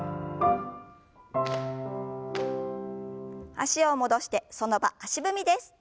脚を戻してその場足踏みです。